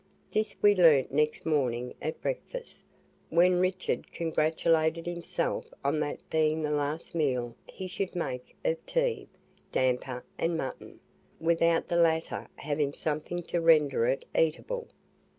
This we learnt next morning at breakfast, when Richard congratulated himself on that being the last meal he should make of tea, damper and muton, without the latter having something to render it eatable.